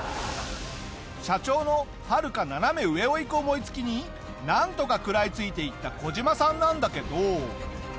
社長のはるか斜め上をいく思いつきになんとか食らいついていったコジマさんなんだけど。